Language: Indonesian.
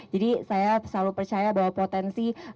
jadi saya selalu percaya bahwa potensi